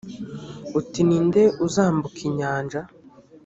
uti ni nde uzambuka inyanja